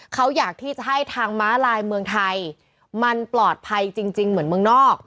เขาอยากที่จะให้ทางม้าลายเมืองไทยมันปลอดภัยจริงเหมือนเมืองนอก